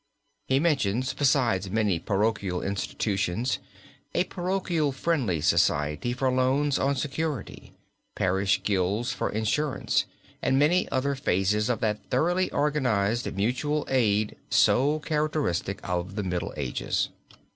He mentions, besides many parochial institutions, a parochial friendly society for loans on security, parish gilds for insurance, and many other phases of that thoroughly organized mutual aid so characteristic of the Middle Ages.